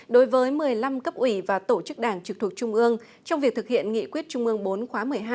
đối với một mươi năm cấp ủy và tổ chức đảng trực thuộc trung ương trong việc thực hiện nghị quyết trung ương bốn khóa một mươi hai